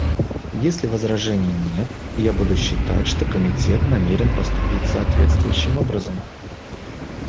Если возражений нет, я буду считать, что Комитет намерен поступить соответствующим образом.